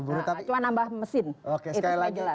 cuma nambah mesin